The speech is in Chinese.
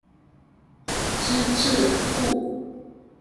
知制诰。